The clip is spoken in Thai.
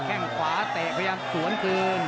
แค่งขวาเตะพยายามสวนคืน